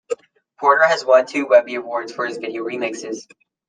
Porter has won two Webby Awards for his video remixes.